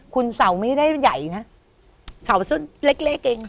คุณเสาไม่ได้ใหญ่นะเสาเส้นเล็กเอง